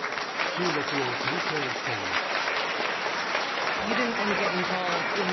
中国を牽制しています。